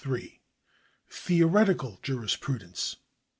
Theoretical Jurisprudence.